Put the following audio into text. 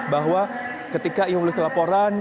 bahwa ketika ia memiliki laporan